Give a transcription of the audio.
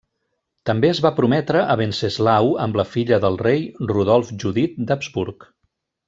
També es va prometre a Venceslau amb la filla del rei Rodolf Judit d'Habsburg.